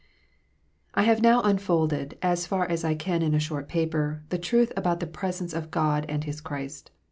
I have now unfolded, as far as I can in a short paper, the truth about the presence of God and His Christ.